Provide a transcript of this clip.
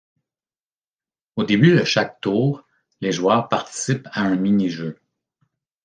Au début de chaque tour, les joueurs participent à un mini-jeu.